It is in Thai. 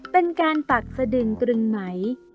เป็นการปักสดึงกรึงไหม